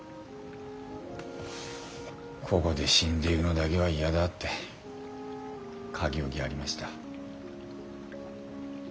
ここで死んでいくのだけは嫌だって書き置きありました。